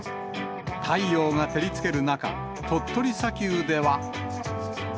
太陽が照りつける中、鳥取砂丘では。